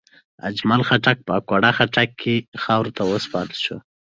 اجمل خټک په اکوړه خټک کې خاورو ته وسپارل شو.